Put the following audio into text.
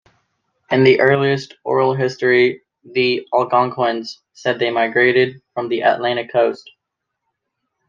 In the earliest oral history, the Algonquins say they migrated from the Atlantic coast.